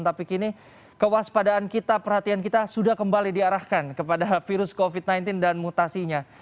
tapi kini kewaspadaan kita perhatian kita sudah kembali diarahkan kepada virus covid sembilan belas dan mutasinya